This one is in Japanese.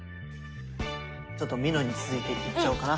ちょっとみのんに続いていっちゃおうかな。